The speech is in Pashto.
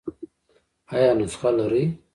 ایا نسخه لرئ؟